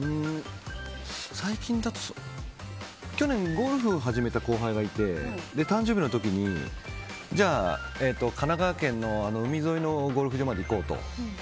最近だと、去年ゴルフを始めた後輩がいて誕生日の時にじゃあ、神奈川県の海沿いのゴルフ場まで行こうと。